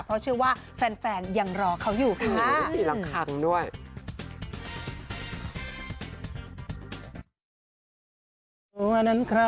เพราะเชื่อว่าแฟนยังรอเขาอยู่ค่ะ